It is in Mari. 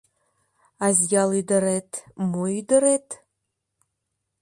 Азъял ӱдырет - мо ӱдырет?